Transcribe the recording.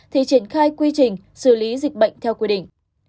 thì triển khai quy trình xử lý dịch bệnh theo quy định